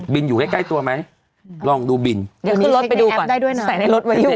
อยู่ใกล้ใกล้ตัวไหมลองดูบินเดี๋ยวขึ้นรถไปดูก่อนได้ด้วยนะใส่ในรถไว้อยู่